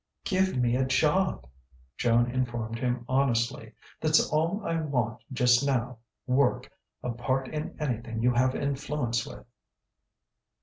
"Give me a job," Joan informed him honestly. "That's all I want just now work a part in anything you have influence with."